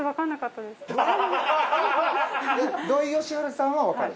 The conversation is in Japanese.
土井善晴さんはわかる？